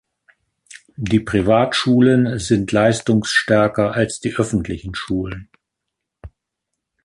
Die Privatschulen sind leistungsstärker als die öffentlichen Schulen.